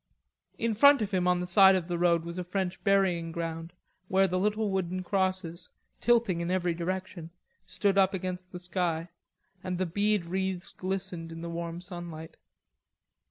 In front of him on the side of the road was a French burying ground, where the little wooden crosses, tilting in every direction, stood up against the sky, and the bead wreaths glistened in the warm sunlight.